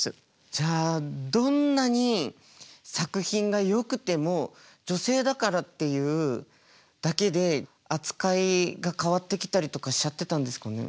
じゃあどんなに作品がよくても女性だからっていうだけで扱いが変わってきたりとかしちゃってたんですかね。